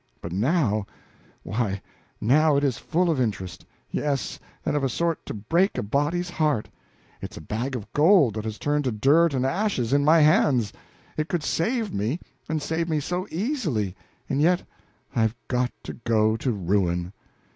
But now why, now it is full of interest; yes, and of a sort to break a body's heart. It's a bag of gold that has turned to dirt and ashes in my hands. It could save me, and save me so easily, and yet I've got to go to ruin.